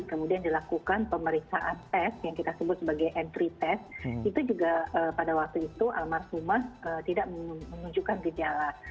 kemudian dilakukan pemeriksaan tes yang kita sebut sebagai entry test itu juga pada waktu itu almarhumah tidak menunjukkan gejala